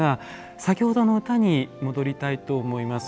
先ほどの歌に戻りたいと思います。